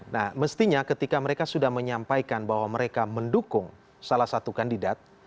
nah mestinya ketika mereka sudah menyampaikan bahwa mereka mendukung salah satu kandidat